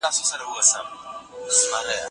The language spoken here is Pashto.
زوى دا ستا په شاني ښايي ابليس پلار ته